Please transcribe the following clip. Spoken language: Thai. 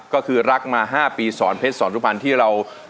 ก็คือรักมา๕ปีสอนเพชรสอนสุพรรณที่เรา